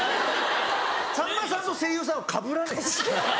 さんまさんと声優さんはかぶらないです。